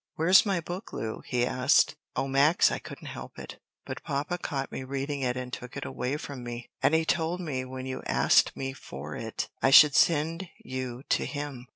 "Where's my book, Lu?" he asked. "O Max, I couldn't help it but papa caught me reading it and took it away from me. And he told me when you asked me for it I should send you to him."